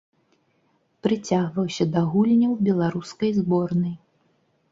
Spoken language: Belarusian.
Прыцягваўся да гульняў беларускай зборнай.